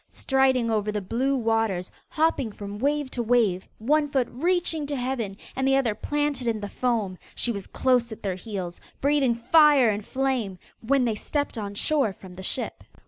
Striding over the blue waters, hopping from wave to wave, one foot reaching to heaven, and the other planted in the foam, she was close at their heels, breathing fire and flame, when they stepped on shore from the ship.